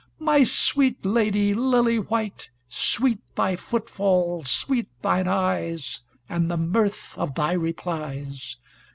My sweet lady, lily white, Sweet thy footfall, sweet thine eyes, And the mirth of thy replies.